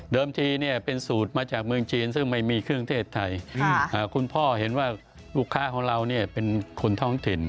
ทีเนี่ยเป็นสูตรมาจากเมืองจีนซึ่งไม่มีเครื่องเทศไทยคุณพ่อเห็นว่าลูกค้าของเราเป็นคนท้องถิ่น